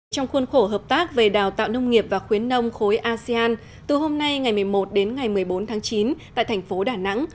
trong khuôn khổ hợp tác về đào tạo nông nghiệp và khuyến nông khối asean từ hôm nay ngày một mươi một đến ngày một mươi bốn tháng chín tại thành phố đà nẵng